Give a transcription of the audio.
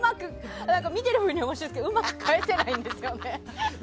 見てるぶんには面白いけどうまく返せないんですよね。